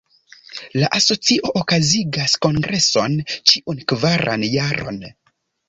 La Asocio okazigas kongreson ĉiun kvaran jaron.